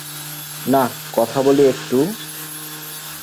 না, কথা বলি একটু?